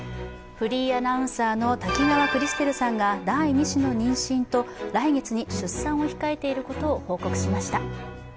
フリーアナウンサーの滝川クリステルさんが第２子の妊娠と、来月に出産を控えていることを報告しました。